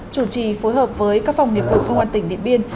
chủ trì phối hợp với các phòng nghiệp vụ công an tỉnh điện biên